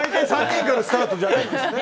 ３人からのスタートじゃないんですね。